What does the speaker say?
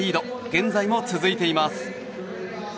現在も続いています。